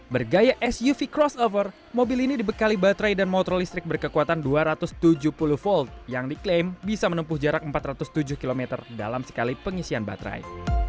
bergaya suv crossover mobil ini dibekali baterai dan motor listrik berkekuatan dua ratus tujuh puluh volt yang diklaim bisa menempuh jarak empat ratus tujuh km dalam sekali pengisian baterai